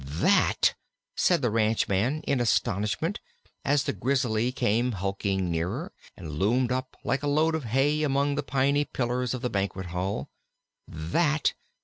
"That!" said the ranchman, in astonishment, as the Grizzly came hulking nearer, and loomed up like a load of hay among the piney pillars of the Banquet Hall. "That!